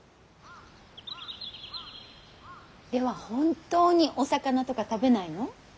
では本当にお魚とか食べないの？